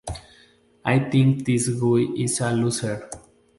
I think this guy is a loser.